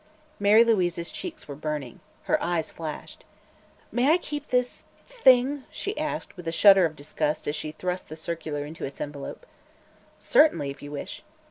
Mary Louise's cheeks were burning. Her eyes flashed. "May I keep this thing?" she asked, with a shudder of disgust as she thrust the circular into its envelope. "Certainly, if you wish."